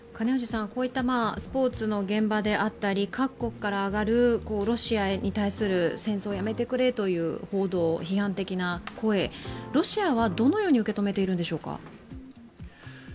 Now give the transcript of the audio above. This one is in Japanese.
こういったスポーツの現場であったり、各国から上がるロシアに対する「戦争やめてくれ」という報道、批判的な声、ロシアはどのように受け止めているんでしょうか。